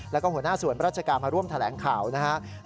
แล้วก็หัวหน้าส่วนราชการมาร่วมแถลงข่าวนะครับ